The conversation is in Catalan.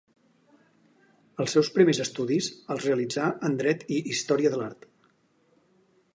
Els seus primers estudis, els realitzà en Dret i Història de l'Art.